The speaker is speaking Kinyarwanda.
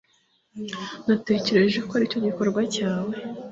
natekereje ko aricyo gikorwa cyawe